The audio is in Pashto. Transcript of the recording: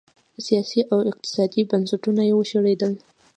سیاسي او اقتصادي بنسټونه یې وشړېدل.